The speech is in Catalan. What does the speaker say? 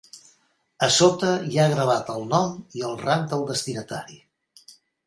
A sota hi ha gravat el nom i el rang del destinatari.